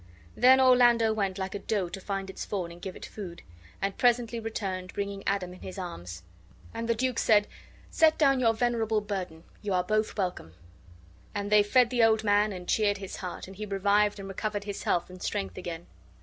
Then Orlando went like a doe to find its fawn and give it food; and presently returned, bringing Adam in his arms. And the duke said, "Set down your venerable burthen; you are both welcome." And they fed the old man and cheered his heart, and he revived and recovered his health and strength again.